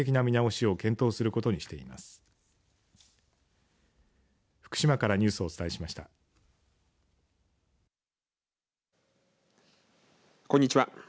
こんにちは。